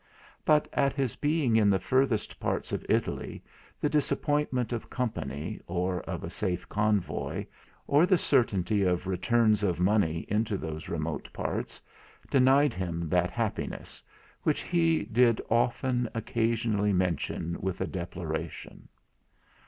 But at his being in the furthest parts of Italy, the disappointment of company, or of a safe convoy, or the uncertainty of returns of money into those remote parts, denied him that happiness, which he did often occasionally mention with a deploration.